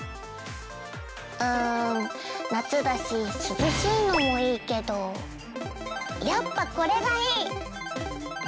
うん夏だし涼しいのもいいけどやっぱこれがいい！